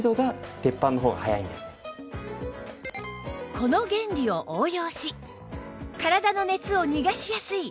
この原理を応用し体の熱を逃がしやすい接触冷感